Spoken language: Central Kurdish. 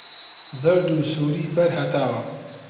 زەرد و سووری بەر هەتاوە